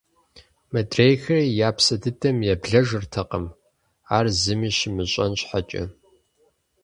Мыдрейхэри я псэ дыдэм еблэжыртэкъым, ар зыми щымыщӀэн щхьэкӀэ.